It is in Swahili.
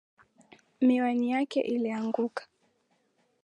Miwani yake ilianguka